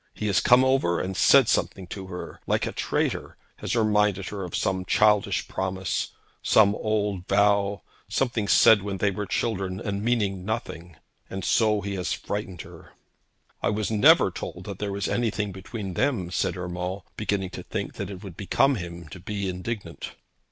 He has come over and said something to her, like a traitor, has reminded her of some childish promise, some old vow, something said when they were children, and meaning nothing; and so he has frightened her.' 'I was never told that there was anything between them,' said Urmand, beginning to think that it would become him to be indignant.